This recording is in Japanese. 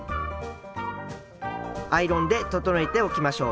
アイロンで整えておきましょう。